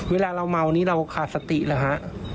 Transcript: เวลาเราเมานี้เราขาดสติเหรอฮะ